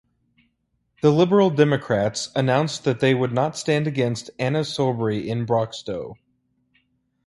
The Liberal Democrats announced that they would not stand against Anna Soubry in Broxtowe.